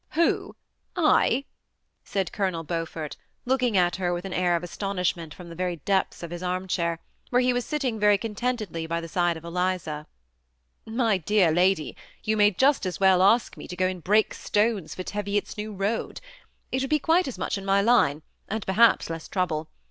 "Who, I?" said Colonel Beaufort, looking at her with an air of astonishment fi^m the very depths of " THE SEMI ATTACHED COUPLE. 145 his arm chair, where he was sitting very contentedly by the side of Eliza. *' My dear lady, you may just as well ask me to go and break stones for Teviot's new road ; it would be quite as much in my line, and per haps less trouble.